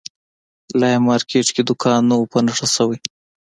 لا یې مارکېټ کې دوکان نه وو په نښه شوی.